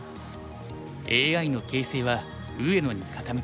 ＡＩの形勢は上野に傾く。